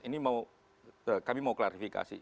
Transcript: ini kami mau klarifikasi